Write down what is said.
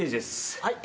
はい？